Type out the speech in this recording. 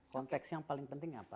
konteks yang paling penting apa